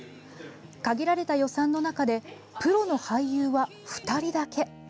限られた予算の中でプロの俳優は２人だけ。